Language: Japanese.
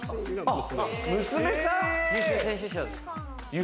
娘さん？